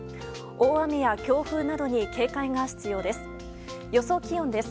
大雨や強風などに警戒が必要です。